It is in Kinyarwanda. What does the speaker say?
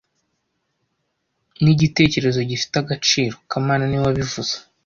Nigitekerezo gifite agaciro kamana niwe wabivuze